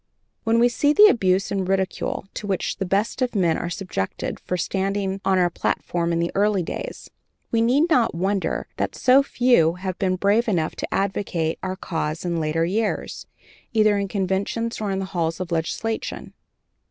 When we see the abuse and ridicule to which the best of men were subjected for standing on our platform in the early days, we need not wonder that so few have been brave enough to advocate our cause in later years, either in conventions or in the halls of legislation.